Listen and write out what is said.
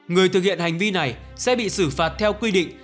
người thực hiện hành vi này sẽ bị xử phạt theo quy định